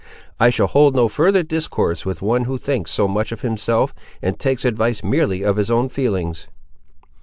I shall hold no further discourse with one who thinks so much of himself, and takes advice merely of his own feelings."